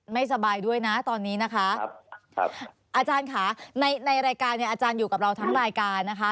ไม่สบายด้วยนะตอนนี้นะคะครับอาจารย์ค่ะในรายการเนี่ยอาจารย์อยู่กับเราทั้งรายการนะคะ